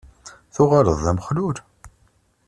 Tuɣaleḍ d amexlul?